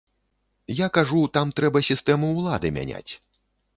Я кажу, там трэба сістэму ўлады мяняць.